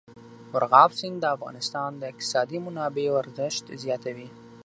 مورغاب سیند د افغانستان د اقتصادي منابعو ارزښت زیاتوي.